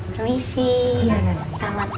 permisi selamat malam